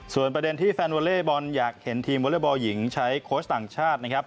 ส่วนประเด็นที่แฟนวอเล่บอลอยากเห็นทีมวอเล็กบอลหญิงใช้โค้ชต่างชาตินะครับ